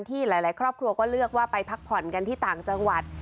หลายครอบครัวก็เลือกว่าไปพักผ่อนกันที่ต่างจังหวัด